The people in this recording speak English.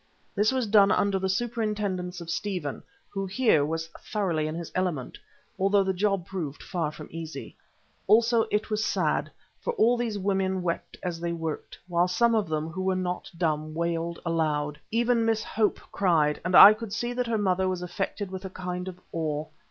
This was done under the superintendence of Stephen, who here was thoroughly in his element, although the job proved far from easy. Also it was sad, for all these women wept as they worked, while some of them who were not dumb, wailed aloud. Even Miss Hope cried, and I could see that her mother was affected with a kind of awe.